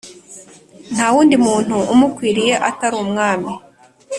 ntawundi muntu umukwiriye atarumwami"